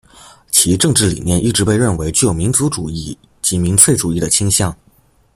其政治理念一直被认为具有民族主义及民粹主义的倾向。